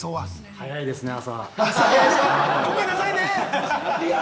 早いですね、朝が。